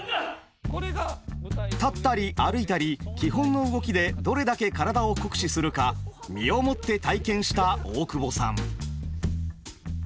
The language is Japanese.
立ったり歩いたり基本の動きでどれだけ体を酷使するか身をもって体験した大久保さん。